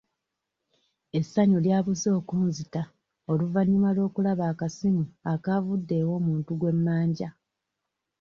Essanyu lyabuze okunzita oluvannyuma lw'okulaba akasimu akaavudde ew'omuntu gwe mmanja.